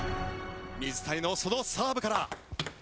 水谷のそのサーブから返す。